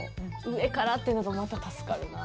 上からっていうのがまた助かるな。